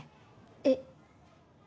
えっ？